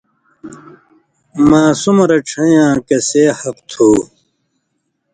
ماسُم رڇھَیں یاں کسے حاق تُھو،